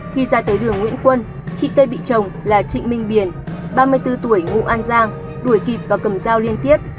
khi ra tới đường nguyễn quân chị tê bị chồng là trịnh minh biển ba mươi bốn tuổi ngụ an giang đuổi kịp và cầm dao liên tiếp